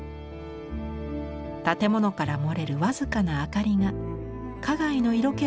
建物から漏れる僅かな明かりが花街の色気を漂わせます。